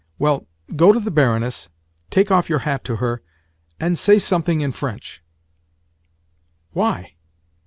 Well, go to the Baroness, take off your hat to her, and say something in French." "Why?"